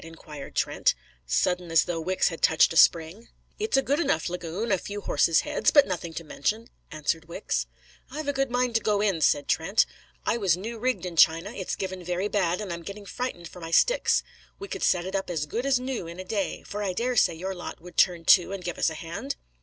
inquired Trent, sudden as though Wicks had touched a spring. "It's a good enough lagoon a few horses' heads, but nothing to mention," answered Wicks. "I've a good mind to go in," said Trent. "I was new rigged in China; it's given very bad, and I'm getting frightened for my sticks. We could set it up as good as new in a day. For I daresay your lot would turn to and give us a hand?"